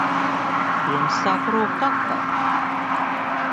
Piens sāka rūgt atkal.